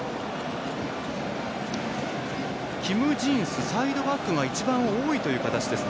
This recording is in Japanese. キム・ジンス、サイドバックが一番多いという形です。